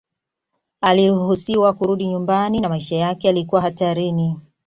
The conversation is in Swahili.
Aliruhusiwa kurudi nyumbani na maisha yake yalikuwa hatarini